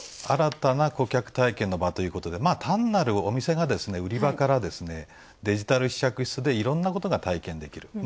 新たな顧客体験の場ということで単なるお店が売り場からデジタル試着室でいろんなことが体験できる。